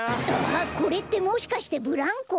あっこれってもしかしてブランコ？